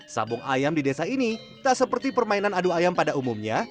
sabung ayam di desa ini tak seperti permainan adu ayam pada umumnya